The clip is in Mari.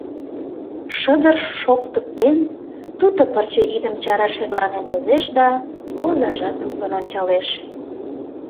Шыдыр шоктыктен, туто пырче идым чараш шерланен возеш да, озажат тутлын ончалеш.